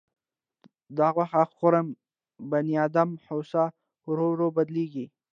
د غوښه خور بنیادم حواس ورو ورو بدلېږي.